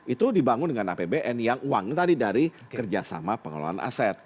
itu dibangun dengan apbn yang uang tadi dari kerjasama pengelolaan aset